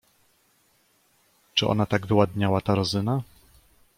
"Czy ona tak wyładniała ta Rozyna?"